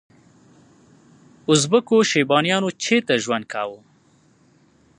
ازبکو شیبانیانو چیرته ژوند کاوه؟